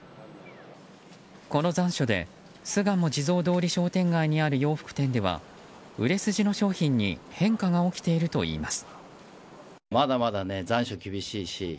この残暑で巣鴨地蔵通り商店街にある洋服店では売れ筋の商品に変化が起きているといいます。